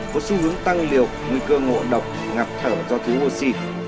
có xu hướng tăng liều nguy cơ ngộ độc ngạp thở do thứ hô si